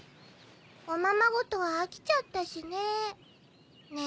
「おままごとはあきちゃったしねぇ」。